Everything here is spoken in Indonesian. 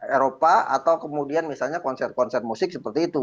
eropa atau kemudian misalnya konser konser musik seperti itu